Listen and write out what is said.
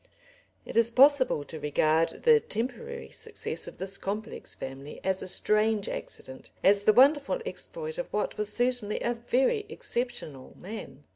It is possible to regard the temporary success of this complex family as a strange accident, as the wonderful exploit of what was certainly a very exceptional man.